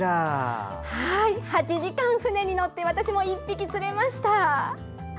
８時間、船に乗って私も１匹釣れました。